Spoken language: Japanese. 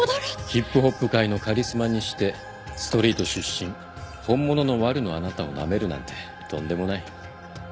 ヒップホップ界のカリスマにしてストリート出身本物のワルのあなたをなめるなんてとんでもない。